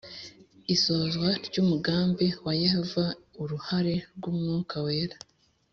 isohozwa ry umugambi wa Yehova Uruhare rw umwuka wera